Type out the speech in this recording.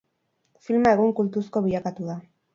Filma egun kultuzko bilakatu da.